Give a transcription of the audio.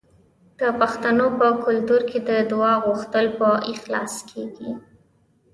د پښتنو په کلتور کې د دعا غوښتل په اخلاص کیږي.